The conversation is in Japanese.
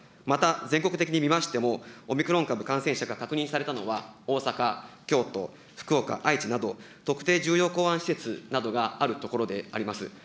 また、全国的に見ましても、オミクロン株感染者が確認されたのは大阪、京都、福岡、愛知など、特定重要港湾施設などがある所であります。